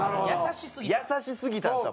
優しすぎて。